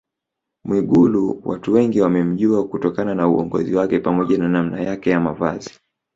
Mwigulu watu wengi wamemjua kutokana na uongozi wake pamoja na namna yake ya Mavazi